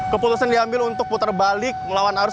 keputusan diambil untuk puterbalik melawan arus